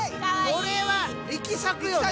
これは力作よね。